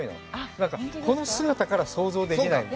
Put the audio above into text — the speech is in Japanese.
なんかこの姿から想像できない。